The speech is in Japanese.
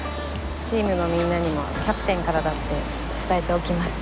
チームのみんなにもキャプテンからだって伝えておきます。